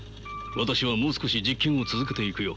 私はもう少し実験を続けていくよ。